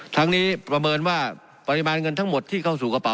ทั้งนี้ประเมินว่าปริมาณเงินทั้งหมดที่เข้าสู่กระเป๋